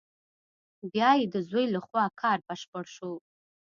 بیا یې د زوی له خوا کار بشپړ شو.